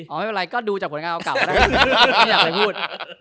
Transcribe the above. คงไปวางข้อหน้าหาคกลก็ได้วะไม่อยากใส่พูด